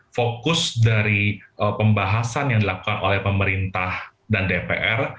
fokus dari pembahasan yang dilakukan oleh pemerintah dan dpr